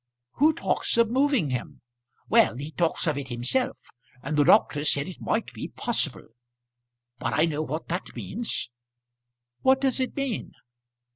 "Who talks of moving him?" "Well, he talks of it himself; and the doctor said it might be possible. But I know what that means." "What does it mean?"